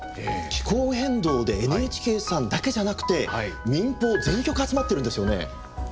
気候変動でＮＨＫさんだけじゃなくて民放全局集まってるんですよね。